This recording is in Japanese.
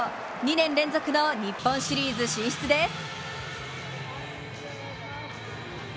２年連続の日本シリーズ進出です。